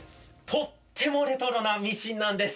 とってもレトロなミシンなんです。